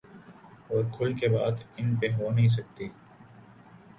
اورکھل کے بات ان پہ ہو نہیں سکتی۔